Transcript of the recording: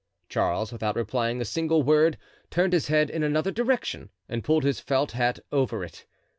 Charles, without replying a single word, turned his head in another direction and pulled his felt hat over it.